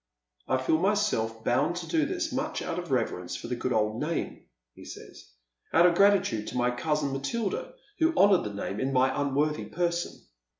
" I feel myself bound to do this much out of reverence for the good old name," he says, " out of gratitude to my cousin Matilda, who honoured the name in my unworthy person.